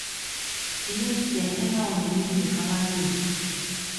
犬って笑顔に見えて可愛い。